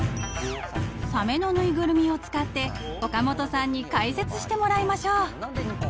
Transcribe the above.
［サメの縫いぐるみを使って岡本さんに解説してもらいましょう］